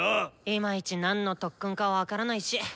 いまいち何の特訓か分からないし。